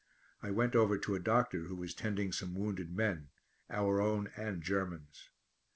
I went over to a doctor who was tending some wounded men our own and Germans.